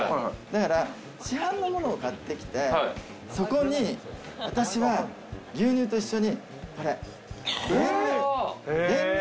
だから市販のものを買ってきて、そこに私は牛乳と一緒に、これ、練乳。